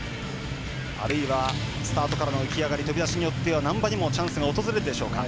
あるいはスタートからの浮き上がり、飛び出しによっては難波にもチャンスが訪れるでしょうか。